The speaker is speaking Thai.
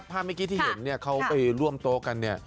ภาพเมื่อกี้ที่เห็นเขาไปร่วมโตกัน